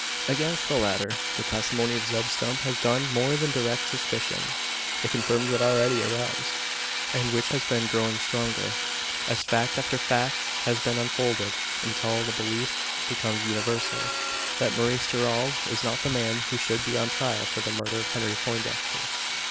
Against the latter, the testimony of Zeb Stump has done more than direct suspicion. It confirms that already aroused; and which has been growing stronger, as fact after fact has been unfolded: until the belief becomes universal: that Maurice Gerald is not the man who should be on trial for the murder of Henry Poindexter.